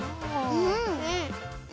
うん！